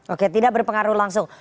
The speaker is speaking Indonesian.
oke tidak berpengaruh langsung